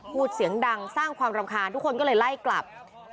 พูดเสียงดังสร้างความรำคาญทุกคนก็เลยไล่กลับ